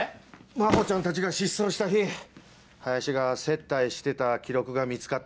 真帆ちゃんたちが失踪した日林が接待してた記録が見つかった。